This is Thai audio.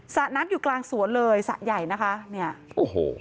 ระน้ำอยู่กลางสวนเลยสระใหญ่นะคะเนี่ยโอ้โห